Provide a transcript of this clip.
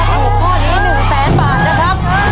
ถูกข้อนี้๑แสนบาทนะครับ